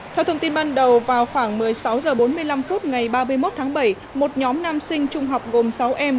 theo thông tin ban đầu vào khoảng một mươi sáu h bốn mươi năm phút ngày ba mươi một tháng bảy một nhóm nam sinh trung học gồm sáu em